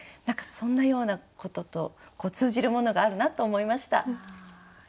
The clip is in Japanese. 何かそんなようなことと通じるものがあるなと思いました。